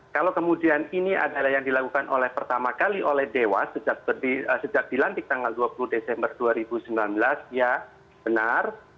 kalau kemudian ini adalah yang dilakukan oleh pertama kali oleh dewas sejak dilantik tanggal dua puluh desember dua ribu sembilan belas ya benar